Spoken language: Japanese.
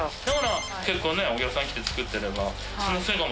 だから結構ねお客さん来て作ってれば。